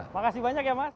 makasih banyak ya mas